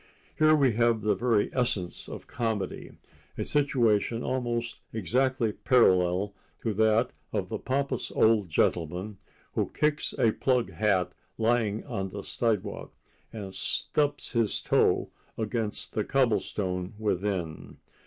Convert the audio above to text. Here we have the very essence of comedy—a situation almost exactly parallel to that of the pompous old gentleman who kicks a plug hat lying on the sidewalk, and stumps his toe against the cobblestone within.